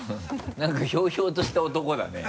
なんかひょうひょうとした男だね。